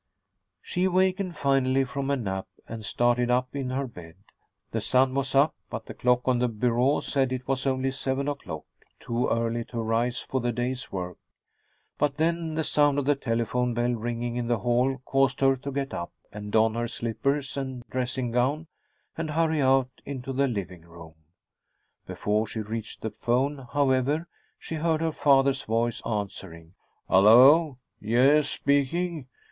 She awakened finally from a nap, and started up in her bed. The sun was up, but the clock on the bureau said it was only seven o'clock, too early to arise for the day's work. But then the sound of the telephone bell ringing in the hall caused her to get up and don her slippers and dressing gown and hurry out into the living room. Before she reached the phone, however, she heard her father's voice answering. "Hello.... Yes, speaking.